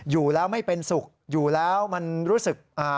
อยู่แล้วไม่เป็นสุขอยู่แล้วมันรู้สึกอ่า